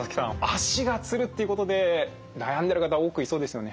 足がつるっていうことで悩んでる方多くいそうですよね。